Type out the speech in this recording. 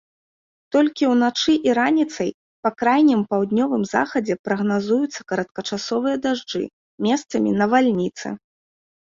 Толькі ўначы і раніцай па крайнім паўднёвым захадзе прагназуюцца кароткачасовыя дажджы, месцамі навальніцы.